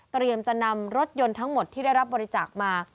จะนำรถยนต์ทั้งหมดที่ได้รับบริจาคมา